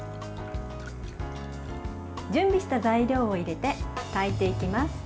準備した材料を入れて炊いていきます。